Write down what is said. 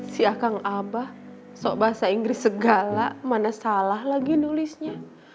si akang abah sok bahasa inggris segala mana salah lagi nulisnya